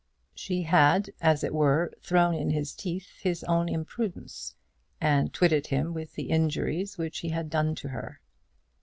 She had, as it were, thrown in his teeth his own imprudence, and twitted him with the injuries which he had done to her.